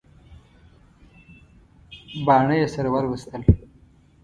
باڼه یې سره ور وستل.